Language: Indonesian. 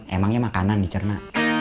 emangnya makanan dicerna